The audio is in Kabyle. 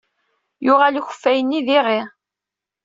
Yuɣal ukeffay-nni d iɣi.